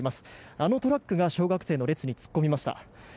あのトラックが小学生の列に突っ込みました。